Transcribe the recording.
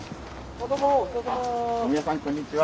大宮さんこんにちは。